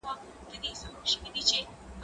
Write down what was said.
زه به کتابتون ته تللی وي؟